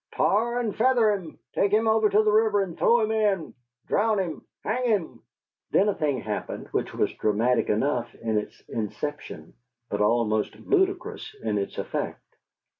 "Tar and feather him!" "Take him over to the river and throw him in!" "Drown him!" "Hang him!" Then a thing happened which was dramatic enough in its inception, but almost ludicrous in its effect.